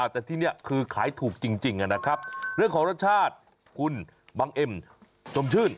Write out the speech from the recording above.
แต่ที่นี่คือขายถูกจริงนะครับเรื่องของรสชาติคุณบังเอ็มสมชื่น